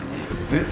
えっ？